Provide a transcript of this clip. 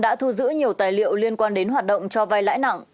đã thu giữ nhiều tài liệu liên quan đến hoạt động cho vai lãi nặng